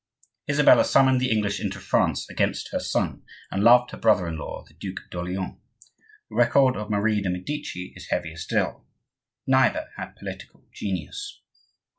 Isabella summoned the English into France against her son, and loved her brother in law, the Duc d'Orleans. The record of Marie de' Medici is heavier still. Neither had political genius.